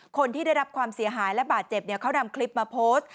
คนที่ได้รับความเสียหายและบาดเจ็บเขานำคลิปมาโพสต์